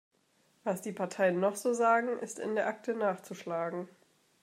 Was die Parteien noch so sagen, ist in der Akte nachzuschlagen.